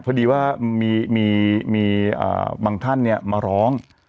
พอดีว่ามีมีมีอ่าบางท่านเนี้ยมาร้อง